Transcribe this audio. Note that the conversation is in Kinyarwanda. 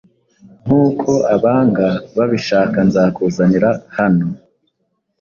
Nkuko abanga babishakanzakuzanira hano